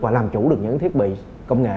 và làm chủ được những thiết bị công nghệ